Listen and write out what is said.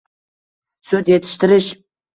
- sut yetishtirish